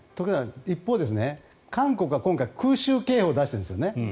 一方、韓国は今回空襲警報を出しているんですね。